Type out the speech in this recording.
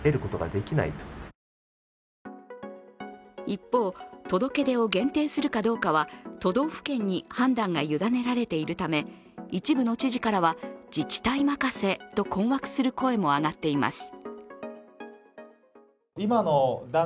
一方、届け出を限定するかどうかは都道府県に判断が委ねられているため一部の知事からは、自治体任せと困惑する声も上がっています。